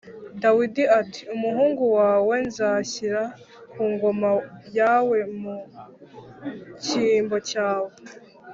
Dawidi ati ‘Umuhungu wawe nzashyira ku ngoma yawe mu cyimbo cyawe’